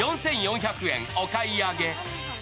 ４４００円お買い上げ。